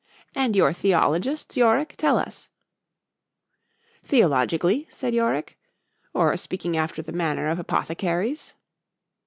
And your theologists, Yorick, tell us—Theologically? said Yorick,—or speaking after the manner of apothecaries?